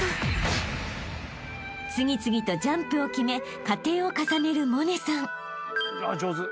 ［次々とジャンプを決め加点を重ねる百音さん］